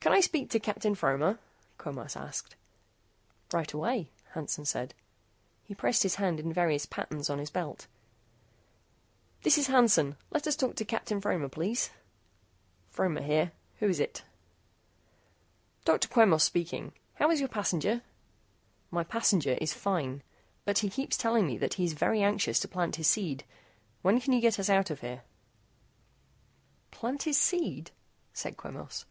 "Can I speak to Captain Fromer?" Quemos asked. "Right away," Hansen said. He pressed his hand in various patterns on his belt. "This is Hansen. Let us talk to Captain Fromer, please." "Fromer here. Who is it?" "Dr. Quemos speaking. How is your passenger?" "My passenger is fine. But he keeps telling me that he is very anxious to plant his seed. When can you get us out of here?" "Plant his seed?" said Quemos.